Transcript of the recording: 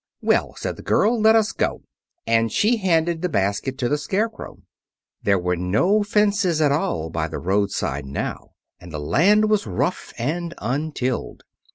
"Well," said the girl, "let us go." And she handed the basket to the Scarecrow. There were no fences at all by the roadside now, and the land was rough and untilled.